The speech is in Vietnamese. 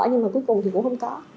nhưng mà cuối cùng thì cũng không có